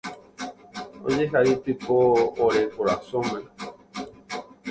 ojehaitypo ore korasõme